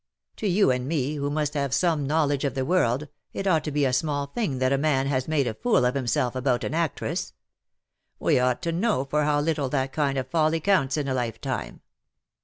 To you and me^ Avho must have some knowledge of the world,, it ought to be a small thing that a man has made a fool of himself about an actress. We ought to know for how little that kind of folly counts in a lifetime.